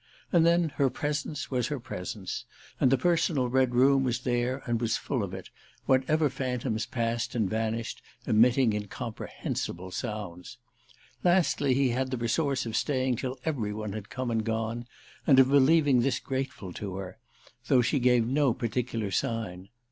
And then her presence was her presence, and the personal red room was there and was full of it, whatever phantoms passed and vanished, emitting incomprehensible sounds. Lastly, he had the resource of staying till every one had come and gone and of believing this grateful to her, though she gave no particular sign.